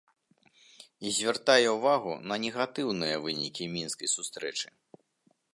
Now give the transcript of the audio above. І звяртае ўвагу на негатыўныя вынікі мінскай сустрэчы.